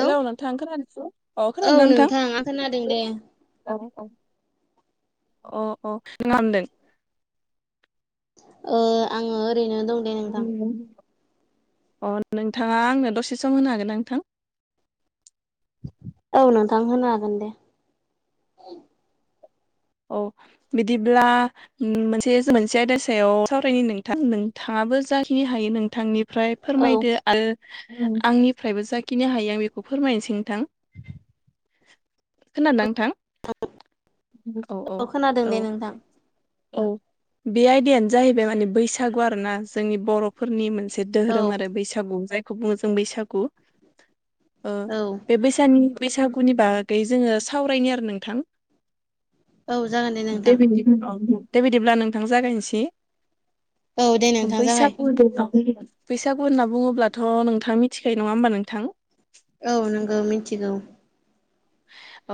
Hello नोंथां खोना अ औ खोनादोंना नोंथां। आं खोनादों दे औ औ अ अ मा खामदों। ओ आङो ओरैनो दं। दे नोंथां अ नोंथाङा आंनो दसे सम होनो हागोन ना नोंथां। औ नोंथां होनो हागोन दे। औ बिदिब्ला। ओम मोनसे मोनसे आयदा सायाव सावरायनि नोंथां नोंथाङाबो जाखिनि हायो नोंथांनि। ओमफ्राय औ फोरमायदो आरो आंनिफ्रायबो जाखिनि हायो आं बेखौ फोरमायनोसै नोंथां। खोनादों ना नोंथां। औ औ खोनादों औ। दे नोंथां औ बे आयदायानो जाहैबाय माने बैसागु आरोना जोंनि बर'। फोरनि मोनसे औ धोहोरोम आरो बैसागु जायखौ बुङो जों बैसागु। ओ औ बे बैसानि बैसागुनि बागै जोङो सावरायनि आरो नोंथां। औ जागोन दे नोंथां। औ दे बिदिब्ला नोंथां जागायनोसै। औ दे नोंथां बैसा जागाय द [unintelligible] बैसागु होनना बुङोब्लाथ' नोंथां मिथिखायो नङा होमबा नोंथां। औ नोंगौ मिथिगौ।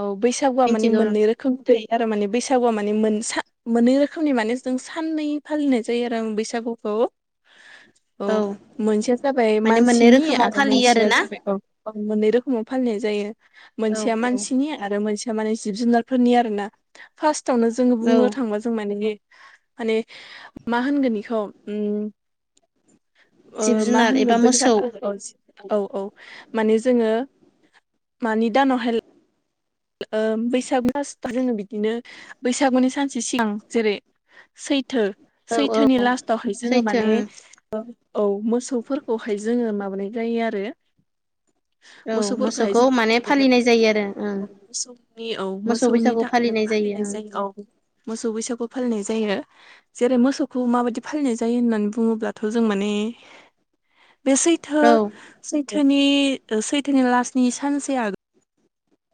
औ बैसागुआ माने मिथिगौ मोननै नोंथां रो खोमनि थायो आरो माने बैसागुआ माने मोननै रोखोमनि माने जों साननै। फालिनाय जायो आरो आं बैसागुखौ। [inaudible] औ मोनसेया जाबाय माने मोननै मानसिनि रोखोमाव आरो फालियो मोनसेया आरोना जाबाय औ। मोननै रोखोमाव फालिनाय जायो औ मोनसेया औ मानसिनि। आरो मोनसेया माने जिब जुनारफोरनि आर ना फार्स्टआवनो जोङो औ बुंनो थांबा जों माने। माने मा होनगोन बेखौ उम। जिब ओ मा जुनार एबा होनगोन बैसा मोसौ औ औ माने जोङो मानि दानावहाय। ओ बैसागनि फास्तआव जोङो बिदिनो बैसागुनि सानसे सिगां जेरै। सैथो औ औ सैथोनि लास्टावहाय जोङो सैथो माने ओं औ मोसौफोरखौहाय जोङो माबानाय जायो आरो औ मोसौफोरखौहाय मोसौखौ जों माने बिदिनो फालिनाय जायो आरो ओं औ मोसौनि औ मोसौनि थाखाय नो फालिनाय जायो औ मोसौ बैसागु फालिनाय जायो। जेरै मोसौखौ माबायदि फालिनाय जायो होननानै बुङोब्लाथ' जों माने बे सै थो ओं सैथोनि सैथोनि लास्तनि सानसे आगो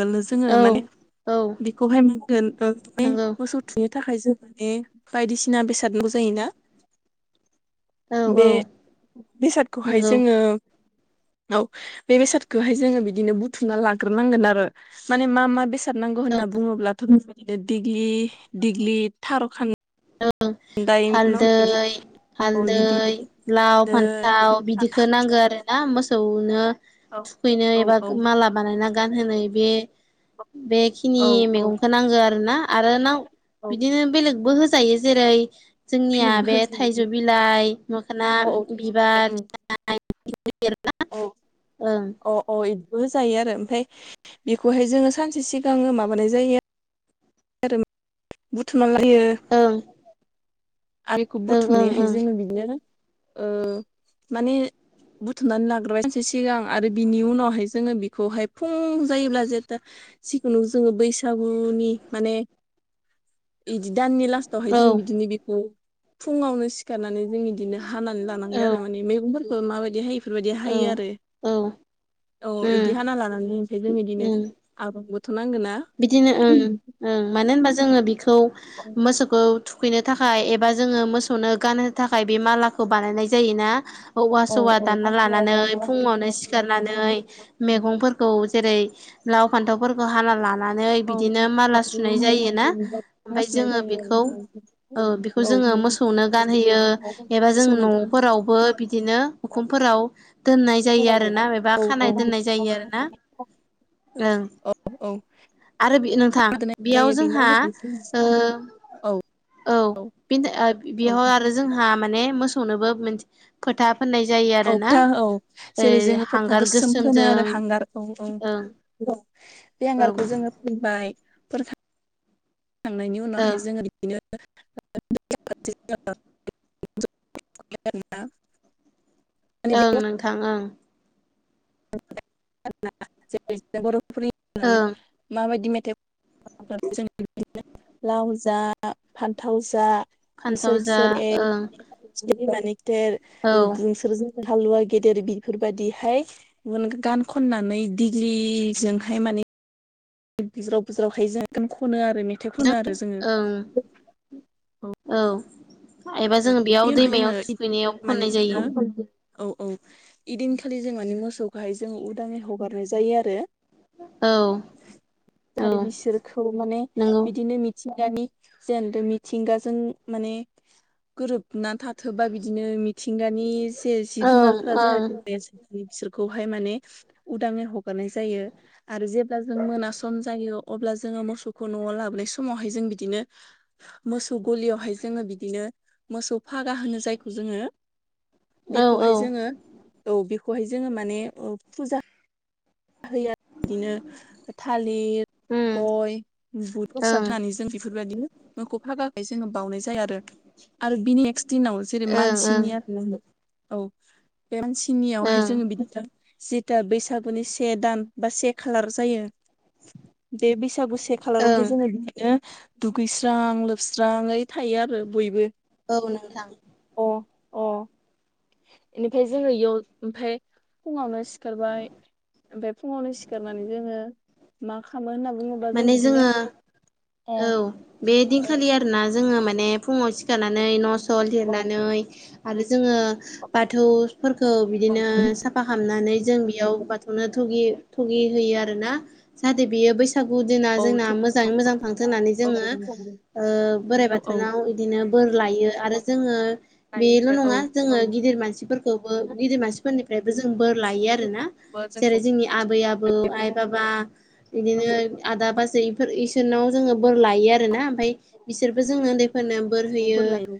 लनो जोङो औ माने औ बेखौहाय बुंगोन ओ माने नंगौ मोसौ थुखैनो थाखाय जों माने बायदिसिना बेसाद नांगौ जायोना। औ बे औ बेसादखौहाय नंगौ जोङो औ बे बेसादखौहाय जोङो बिदिनो बुथुमना लाग्रोनांगोन आरो माने मा मा बेसाद नांगौ होनना बुङोब्लाथ'नो दिग्लि दिग्लि खार [unintelligible] हालदै अ हालदै बिदि लाव हादोर फान्थाव बिदिखो नांगो आरो ना मोसौ नो औ थुखैनो औ एबा औ माला बानायना गानहोनो बे बे खिनि औ मैगंखौ नांगो आरो ना आरो नाव औ बिदिनो बेलेगबो होजायो जेरै जोंनिया बेलेगबो बे होजायो थाइजौ बिलाइ मोखोना औ औ बिबार उम औ ओं [unintelligible] अ अ इबो होजायो आरो ओमफाय बेखौहाय जोङो सानसे सिगाङो माबानाय जायो आरो बुथुमना लायो ओ आरिखौ बुथुमनाय हाय जोङो बिदिनो माने बुथुमनानै लाग्रोबायसै सिगां आरो बिनि उनावहाय जोङो बेखौहाय फुं जायोब्ला जेथा जिखुनु जोङो बैसागुनि माने बिदि दाननि लास हाय जो औ बिदिनो बेखौ फुङावनो सिखारनानै जों बिदिनो हानानै लानांगोन आरो माने मैगं माबायदि हायो बेफोरबायदि औ हायो आरो औ औ उम बिदि हाना लानानै फ्राय जों बिदिनो उम आब्रुंबोथ' नांगोन ना बिदिनो ओं ओं मानो होनबा जोङो बिखौ मोसौखौ थुखैनो थाखाय एबा जोङो मोसौनो गाननो थाखाय बे मालाखौ बानायनाय जायोना औवा औ सबा औ दानना लानानै फुङावनो सिखारनानै मैगंफोरखौ जेरै लाव फान्थावफोरखौ हाना लानानै नै बिदिनो माला सुनाय जायोना ओमफ्राय बासिनाय जोङो जायो आरो बेखौ औ बेखौ जोङो मोसौनो गानहोयो एबा जों न'फोरावबो बिदिनो उखुमफोराव दोननाय जायो आरो ना एबा औ खानाय दोननाय जायो आरो ना ओं औ औ आरो नोंथां बेयाव जायो बेनो जोंहा औ औ औ बेयाव औ आरो जोंहा माने मोसौनोबो खोथा औ था औ जेरै जोङो फोथा हांगार गोसोम फोनो गोसोमजों आरो हांगार औ औ ओं बे ओं हांगारखौ जोङो फैबायथ थांनायनि ओं उनावहाय जो बि [inaudible] ओं नोंथां ओं बर'फोरनि ओं माबायदि मेथाइ [unintelligible] जों बिदिनो लाव जा फान्थाव जा [unintelligible] फान्थाव बिसोर जा बिसोर एल ओं माने बिमानि‌ खिथेर औ नोंसोर हालुवा गेदेर बेफोर बायदिहाय [unintelligible] ओ गान खननानै दिडग्लिजोंहाय माने बुज्रावखाय बुज्रावहाय जोंनो खनो आरोलै ओं औ एबा जोङो बेयाव बेनि दैमायाव उनावहाय जोङो थुखैनायाव माने खननाय जायो। जोङो औ औ इदिनखालि जों माने मोसौखौहाय जोंङो उदाङै हगारनाय जायो आरो औ आरो औ बिसोरखौ माने नंगौ बिदिनो मि मिथिंगानि जेनथ मिथिंगाजों माने गोरोबनानै थाथोबा बिदिनो मिथिंगानि जे जिब ओं जुनारफोरा ओं जाहाथे बिसोरखौहाय माने उदांयै हगारनाय जायो। आरो जेब्ला जों मोनास जायो अब्ला जोङो मोसौखौ न'आव लाबोनाय समावहाय जों बिदिनो मोसौ गलियावहाय जोङो बिदिनो मोसौ फागा होनो जायखौ जोङो औ औ बेखौहाय ओम जोङो औ बेखौहाय जोङो माने ओ फुजा हैया बिदिनो थालिर ओं गय बुद ओं प्रसाद [unintelligible] बेफोरबायदिनो मोखौ फागाखै जोङो बावनाय जायो आरो आरो बिनि नेक्सट दिनाव जेरै ओं मानसिनिया औ बे ओं मानसिनियावहाय जोङो बिदि जिथा बैसागुनि से दान बा से खालार जायो दे बैसागु से ओं खालारावहाय जोङो बिदिनो दुगैस्रां लोबस्राङै थायो आरो बयबो औ नोंथां अ अ बेनिफ्राय जोङो इयाव ओमफ्राय फुङावनो सिखारबाय ओमफ्राय फुङावनो सिखारनानै जोङो मा खालामो होनना बुङोब्ला जों माने बिदिनो जोङो ए औ बे दिनखालि आरोना जोङो माने फुङाव सिखारनानै न' स अ औ लिरनानै आरो जोङो बाथौफोरखौ बिदिनो साफ फाहामनानै जों बेयाव बाथौनो थुगि होयो आरोना जाहाथे बेयो बैसागु बैसागु दिना औ जोंना मोजाङै मोजां थांथो होननानै जोङो लायो ओ बोराइ आरो औ बाथोनाव बिदिनो बोर लायो आरो जोङो बेल' नङा जोङो गिदिर मानसिफोरखौबो गिदिर मानसिफोरनिफ्राय जों बोर लायो आरोना औ जों जेरै जोंनि आबै आबौ आइ बाबा बिदिनो आदा बाजैफोर इसोरनाव जोङो बोर लायो आरो ना ओमफ्राय बिसोरबो जों उन्दैफोरनो बोर होयो मैगंफोर लायो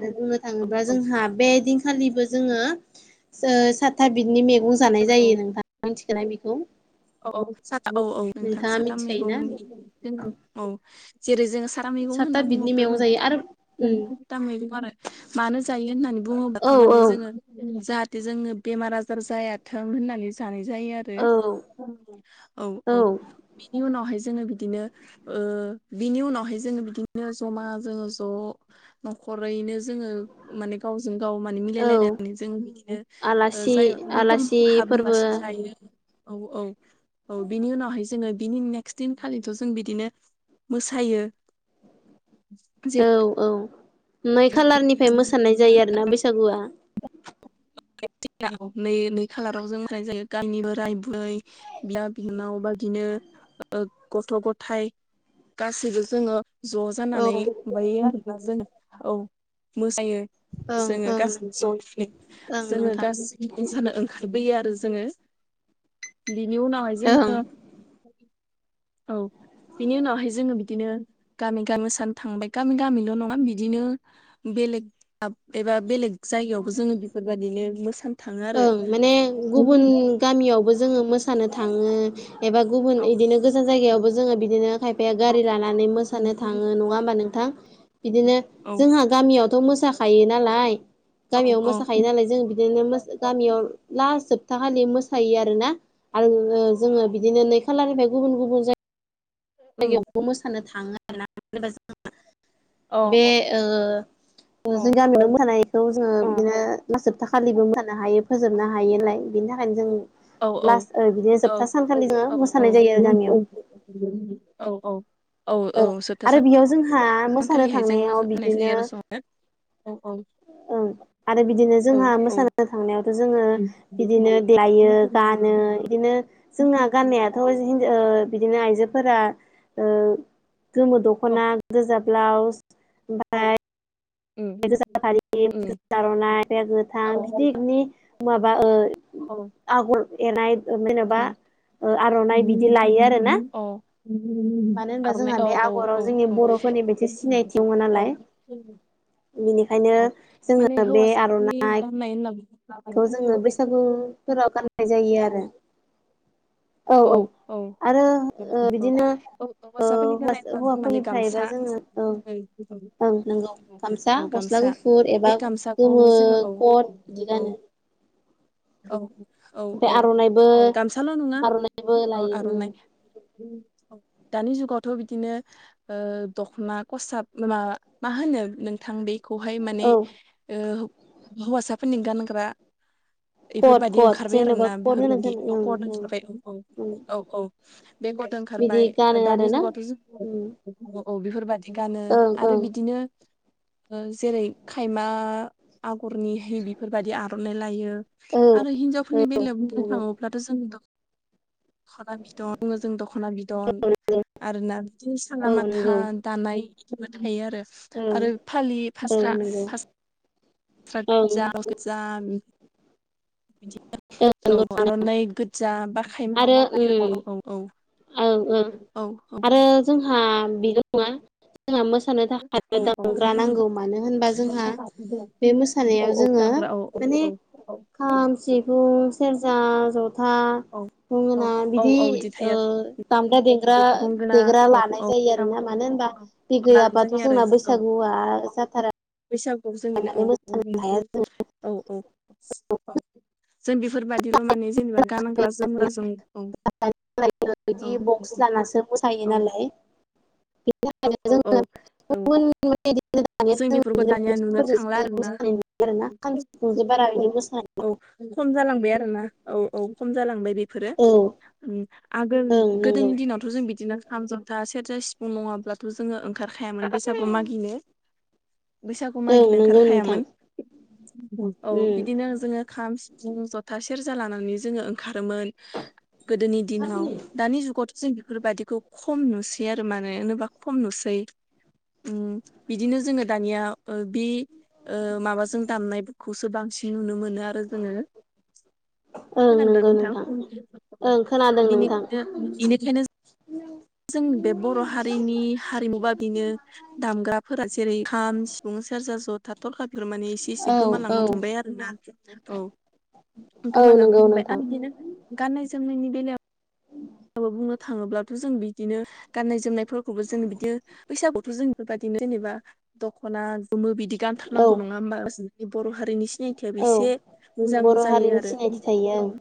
आरो बुंनो औ थाङोब्ला औ जोंहा बे दि खालिबो जोङो ओ सातथा बिदनि मैगं जानाय औ जायो नोंथां मिथिगोना बेखौ औ औ साथा औ औ नोंथां नोंथाङा साथाम मिथिखायोना मैगंनि औ जेरै जोङो सारा मैगं सातथा होनना बिदनि बुङोब्ला मैगं जों जायो बहु आरो उम जोंथ दा मैगं आरो मानो जायो होननानै बुङोबाथ' औ औ माने जोङो जाहाथे जोंङो बेमार आजार जायाथों होननानै जानाय जायो आरो औ औ औ बिनि उनावहाय जोङो बिदिनो बिनि उनावहाय जोङो बिदिनो जमा जोङो ज' न'खरैनो जोङो माने गावजों गाव मा औ मिलायलायनानै जों मिनो आलासि जाय न'खर आलासि न'खर फोरबो हाबोलासे जायो औ औ औ बिनि उनावहाय जोङो बिनि नेक्स्ट दिनखालिथ' जों बिदिनो मोसायो औ औ नै खालारनिफ्राय मोसानाय जायो आरोना बैसागुआ नै नै खालाराव जों होननाय जायो गामि बोराय बुरै बिदा बिनानाव बादिनो गथ' गथाइ गासैबो जोङो ज' औ जानानै माबायो आरोना जों औ मोसायो ओं जोङो ओं गासैबो जनि ओं जोङो नोंथां गाज्रि जानो ओंखारबोयो आरो जोङो बिनि उनाव ओं जोङो औ बिनि उनावहाय जोङो बिदिनो गामि गामि सान थांबाय गामि गामिल' नङा बिदिनो बेलेग एबा बेलेग जायगायावबो जोङो बेफोरबायदिनो मोसानो था ओं माने गुबुन गामियावबो जोङो मोसानो थाङो एबा गुबुन औ इदिनो गोजान जायगायावबो जोङो बिदिनो खायफाया औ गारि लानानै मोसानो थाङो नङा होमबा नोंथां बिदिनो औ जोंहा गामियावथ' मोसाखायो नालाय गामियाव औ मोसाखायो नालाय जों बिदिनो मो गामियाव लास जोबथा खाालि मोसायो आरोना। आरो जोङो बिदिनो नै खालारनिफ्राय गुबुन गुबुन जाय जायगायावबो मोसानो थांङो आरोना। [unintelligible] औ बे ओ जों गामि [unintelligible] मोसानाय बेखौ जोङो बिदिनो लास जोबथाखालिबो मोसानो हायो फोजोबनो हायो नालाय बिनि थाखायनो जों औ औ लास ओ बिदिनो औ जोबथा सानखालि जोङो औ मोसानाय जायो आरो गामियाव। [unintelligible] औ औ औ औ जोबथा सा हा मोसानो थांनायाव बिदिनो ओं ओं। ओं आरो बिदिनो जोंहा मोसानो थांनायावथ' जोङो उम उम बिदिनो देलायो गानो बिदिनो जोंना गाननायाथ' हिन ओ बिदिनो आइजोफोरा ओ गोमो दख'ना गोजा ब्लाउस ओमफाय गोजा फारि गोजा आर'नाइ गोथां बिदिनि माबा ओ आगर एनाय जेनेबा ओ आर'नाइ बिदि लायो आरोना औ उम औ मानो होनबा आर'नाइ जोंहा औ बे औ आगराव औ जोंनि औ बर'फोरनि बे एसे सिनायथिं दंङ नालाय। बेनिखायनो [inaudible] औ जोङो माने हौवासाफोरनि गाननाय होनना थ' माने जोङो बैसागुफोराव गाननाय जायो आरो। औ औ आरो औ ओ औ बिदिनो औ ओ हौवासाफोरनि गाननाय हौवासा होनबा जों माने हौवाफोरनिफ्रायबा गामसा जोङो औ ओं नंगौ गामसा गस्ला गुफुर बे एबा गोमो गामसाखौहाय जोङो खत बिदि औ गानो। औ औ ओमफ्राय औ आर'नाइबो गामसाल' नंङा आर'नाइबो औ लायो आर'नाइ। [unintelligible] दानि जुगावथ' बिदिनो ओ दख'ना खसाब माबा मा होनो नोंथां बे खौहाय माने औ ओ हौवासाफोरनि गानग्रा कट बेफोरबायदि कट ओंखारबाय आरो जेनेबा ना कट होनो बेफोरबायदि खत ओं ओं ओंखारबाय औ औ। उम औ औ बे खत ओंखारबाय बिदि गानो दानि आरोना जुगावथ' जों उम औ औ बेफोरबायदि गानो ओं आरो ओं बिदिनो ओ जेरै खायमा आगरनिहाय बेफोरबायदि आर'नाइ लायो। औ आरो औ हिनजावफोरनि बेलायाव बुंनो नंगौ थाङोब्लाथ' जों द ख'ना बिदन बुंङो जों दख'ना बिदन आरोना बिदिनो साला औ नंगौ माथान दानाय बिदिबो थायो आरो ओं आरो फालि औ फास्रा नंगौ फास स्रा ओं गोजा गस्ला गोजा [unintelligible] ओं बिदिनो नंगौ औ आर'नाइ गोजा बा खायमा आरो बि थायो औ ओम औ औ। ओं ओं औ औ आरो जोंहा बेल' नङा जोंहा मोसानो थाखाय औ दामग्रा नांगौ औ मानो होनबा जोंहा बे औ मोसानायाव औ जोङो दामग्रा औ औ माने औ खाम सिफुं सेरजा जथा औ औ गंगोना औ बिदि औ थायो ओ दाम्रा देग्रा गंगोना देग्रा औ लानाय औ जायो आरोना मानो होनबा दामग्रा बे लानाय गैयाबथ' जायो जोंना बै सागुया जाथारा। बैसागु जोंनिनो माने औ औ मोसानो हाया बुं। जों औ औ औ जों बेफोरबादिल' माने जेनेबा गानग्रा जोमग्रा जोम औ बिदि औ। बक्स लानासो मोसायो औ नालाय बेनि थाखायनो औ औ जोङो औ गुबुन [unintelligible] जों बेफोरखौ दानिया नुनो थांला आरोना नोंजों बारा बिदि मोसानाय औ खम जालांबाय आरो ना औ औ खम जालांबाय बे फोरा औ आगोल ओं नंगौ गोदोनि दिनाव थ' जों बिदिनो खाम ज'था सेरजा सिफुं नङाब्लाथ' जोङो ओंखारखायामोन बैसागु मागिनो बैसागु ओं मागिनो नंगौ नोंथां ओंखारखायामोन औ उम बिदिनो जोङो खाम सिफुं जथा सेरजा लानानै जोङो ओंखारोमोन गोदोनि दिनाव दानि जुगावथ' जों बेफोरबायादिखौ खम नुसै आरो माने होनोबा खम नुसै अम बिदिनो जोङो दानिया बे बि माबाजों दामनायखौसो बांसिन नुनो मोनो आरो जोङो ओं खोनादों ना नंगौ नोंथां ओं खोनादों नोंथां बिनिखायनो बेनिखायनो जों बे बर' हारिनि हारिमुबा बेनो दामग्राफोरा जेरै खाम सिफुं सेरजा जथा थरखा बेफोर माने एसे एसे औ गोमालांनो औ हमबाय आरो ना औ औ गोमालांनो नंगौ हमबाय नोंथां आरो गाननाय जोमनायनि बेलायाव माबा बुंनो थाङोब्लाथ' जों बिदिनो गाननाय जोमनायफोरखौबो जों बिदिनो बैसागुथ' जों बेफोरबायाददिनो जेनेबा दख'ना गोमो बिदि औ गानथारनांगौ नङा होमबासो बर' हारिनि सिनायथियाबो औ एसे मोजां बर' जायो हारिनि आरो सिनायथि थायो ओं औ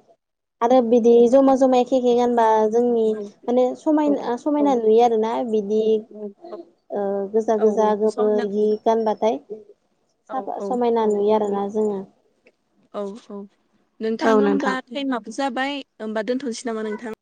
आरो बिदि जमा जमा एखे एखे गानबा जोंनि माने औ औ समायना औ समायना नुयो आरोना बिदि [inaudible] ओ गोजा औ गोजा गोमो इदि सावरायनानैसो गानबाथाय औ साफा औ समायना औ नुयो आरोना जों औ औ नोंथां होमब्ला टाइमाबो जाबाय होमबा दोनथ'नोसै नामा नोंथां